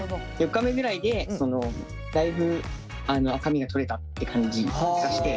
４日目ぐらいでだいぶ赤みが取れたって感じがして。